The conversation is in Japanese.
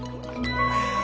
はあ。